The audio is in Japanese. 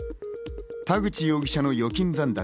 田口容疑者の預金残高